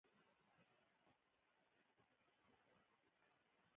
تالابونه د افغان کلتور په کیسو او داستانونو کې دي.